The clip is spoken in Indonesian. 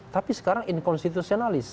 tapi sekarang inkonstitusionalis